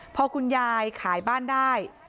พอคุณยายขายบ้านได้